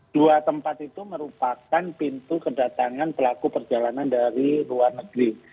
dua tempat itu merupakan pintu kedatangan pelaku perjalanan dari luar negeri